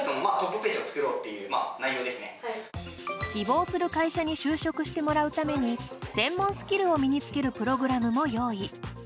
希望する会社に就職してもらうために専門スキルを身に付けるプログラムも用意。